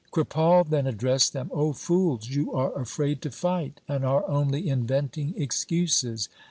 Kripal then addressed them, ' O fools, you are afraid to fight, and are only inventing excuses.